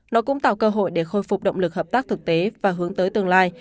nó cũng tạo cơ hội để khôi phục động lực hợp tác thực tế và hướng tới tương lai